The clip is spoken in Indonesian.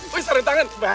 wih sarung tangan